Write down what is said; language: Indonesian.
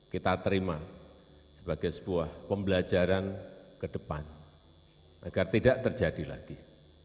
kita terima sebagai sebuah pembelajaran ke depan agar tidak terjadi lagi